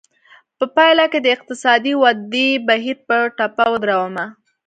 په پایله کې د اقتصادي ودې بهیر په ټپه ودراوه.